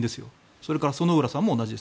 それから薗浦さんも同じです。